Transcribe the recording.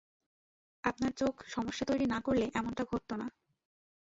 আপনার চোখ সমস্যা তৈরি না-করলে এমনটা ঘটত না।